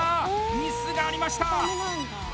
ミスがありました！